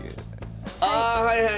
ああはいはい！